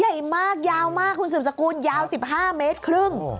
ใหญ่มากยาวมากคุณสืบสกุลยาว๑๕เมตรครึ่ง